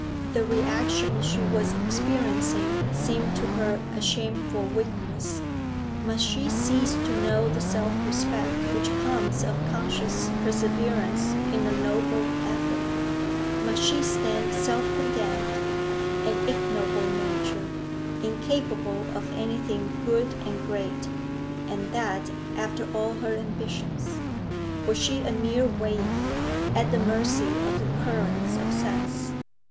The reaction she was experiencing seemed to her a shameful weakness. Must she cease to know the self respect which comes of conscious perseverance in a noble effort? Must she stand self condemned, an ignoble nature, incapable of anything good and great and that, after all her ambitions? Was she a mere waif, at the mercy of the currents of sense?